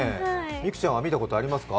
美空ちゃんは見たことありますか？